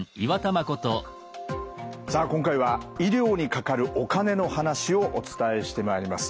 さあ今回は医療にかかるお金の話をお伝えしてまいります。